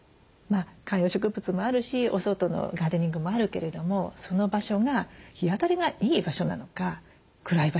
観葉植物もあるしお外のガーデニングもあるけれどもその場所が日当たりがいい場所なのか暗い場所なのか。